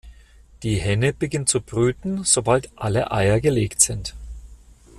Die Henne beginnt zu brüten sobald alle Eier gelegt sind.